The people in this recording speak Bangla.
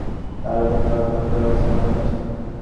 তবুও যাতে আইনের শাসনটা চলে তার জন্য যথাযথ ব্যবস্থা নেওয়া হয়েছে।